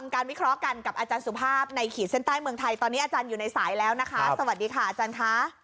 การวิเคราะห์กันกับอาจารย์สุภาพในขีดเส้นใต้เมืองไทยตอนนี้อาจารย์อยู่ในสายแล้วนะคะสวัสดีค่ะอาจารย์ค่ะ